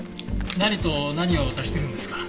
何と何を足してるんですか？